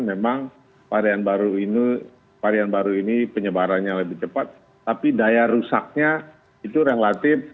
memang varian baru ini penyebarannya lebih cepat tapi daya rusaknya itu relatif